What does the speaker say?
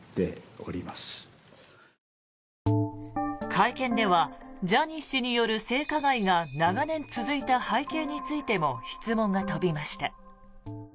会見ではジャニー氏による性加害が長年続いた背景についても質問が飛びました。